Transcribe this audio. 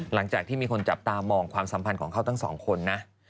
หลังจากที่มีคนจับตามองความสัมพันธ์ของเขาทั้งสองคนนะ